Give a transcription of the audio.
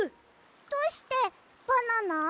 どうしてバナナ？